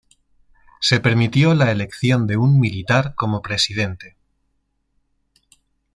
Se permitió la elección de un militar como presidente.